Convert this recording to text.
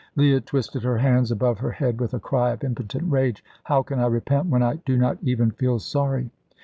Leah twisted her hands above her head with a cry of impotent rage. "How can I repent, when I do not even feel sorry?"